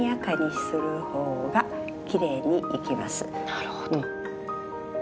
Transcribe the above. なるほど。